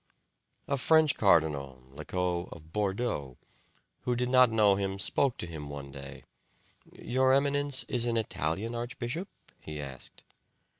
A French cardinal (Lecot of Bordeaux) who did not know him spoke to him one day. "Your Eminence is an Italian archbishop?" he asked.